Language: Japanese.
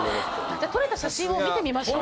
撮れた写真を見てみましょう。